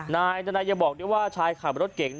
นายเดี๋ยวบอกดิว่าชายขับรถเก่ง